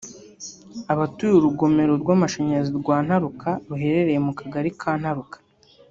Abaturiye urugomero rw’amashanyarazi rwa Ntaruka ruherereye mu Kagari ka Ntaruka